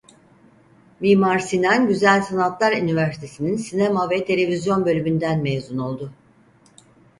Mimar Sinan Güzel Sanatlar Üniversitesi'nin sinema ve televizyon bölümünden mezun oldu.